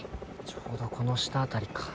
ちょうどこの下辺りか。